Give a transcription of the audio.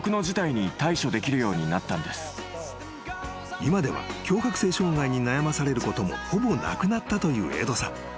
［今では強迫性障がいに悩まされることもほぼなくなったというエドさん］